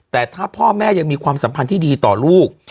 แต่ถ้าพ่อแม่ยังมีความสัมพันธ์ที่ดีต่อลูก